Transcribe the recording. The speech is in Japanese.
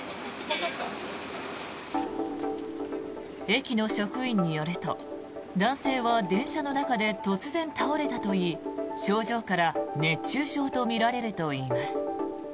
駅の職員によると、男性は電車の中で突然倒れたといい症状から熱中症とみられるといいます。